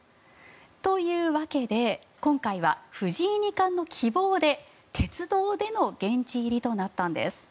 というわけで、今回は藤井二冠の希望で鉄道での現地入りとなったんです。